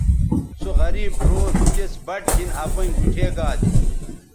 سو غریب ڙھؤں تِس بَٹ گِھن اپیئں گُوٹھے گا دے